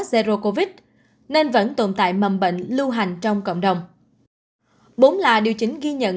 zero covid nên vẫn tồn tại mầm bệnh lưu hành trong cộng đồng bốn là điều chính ghi nhận